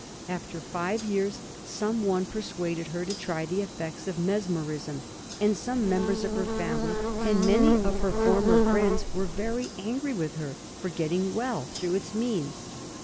After five years some one persuaded her to try the effects of mesmerism, and some members of her family and many of her former friends were very angry with her for getting well through its means.